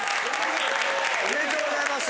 おめでとうございます。